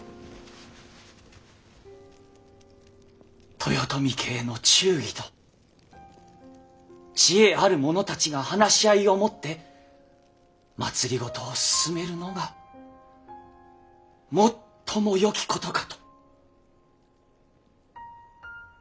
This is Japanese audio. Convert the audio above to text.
豊臣家への忠義と知恵ある者たちが話し合いをもって政を進めるのが最もよきことかと。